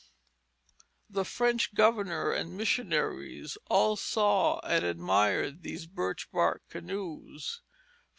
The French governor and missionaries all saw and admired these birch bark canoes.